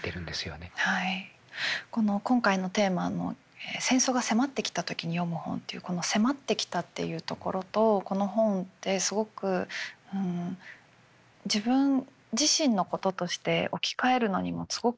この今回のテーマの「戦争が迫ってきた時に読む本」っていうこの「迫ってきた」っていうところとこの本ってすごく自分自身のこととして置き換えるのにもすごくいい本だなって思って。